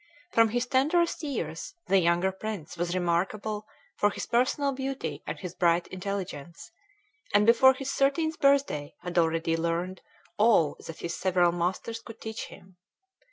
From his tenderest years the younger prince was remarkable for his personal beauty and his bright intelligence, and before his thirteenth birthday had already learned all that his several masters could teach him.